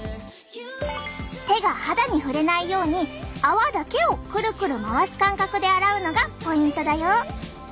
手が肌に触れないように泡だけをクルクル回す感覚で洗うのがポイントだよ。